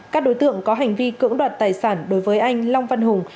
các đối tượng có hành vi cưỡng đoạt tài sản đối với anh long văn hùng